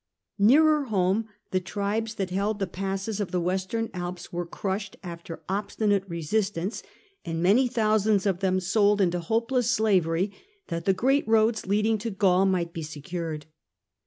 Nearer home the tribes that held the passes of the Western Alps were crushed after obstinate resistance, and many thousands of them sold into hopeless slavery, that the great roads leading to Gaul might be secured.